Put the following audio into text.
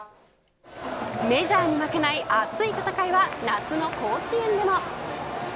メジャーに負けない熱い戦いは、夏の甲子園でも。